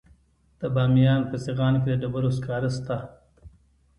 د بامیان په سیغان کې د ډبرو سکاره شته.